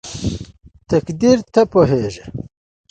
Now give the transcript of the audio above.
تقديره ته پوهېږې??